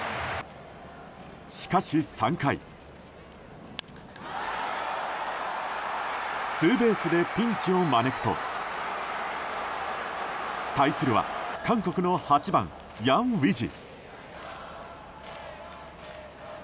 しかし、３回ツーべースでピンチを招くと対するは韓国の８番、ヤン・ウィジ。